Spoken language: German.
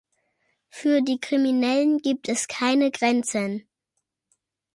Für die Kriminellen gibt es keine Grenzen.